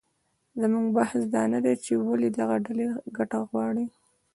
زموږ بحث دا نه دی چې ولې دغه ډلې ګټه غواړي